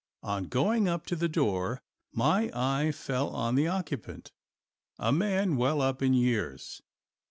On going up to the door my eye fell on the occupant, a man well up in years.